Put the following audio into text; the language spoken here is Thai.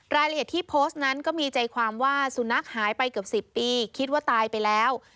รายละเอียดที่โพสต์นั้นก็มีใจความว่าสุนัขหายไปเกือบ๑๐ปีคิดว่าตายไปแล้ว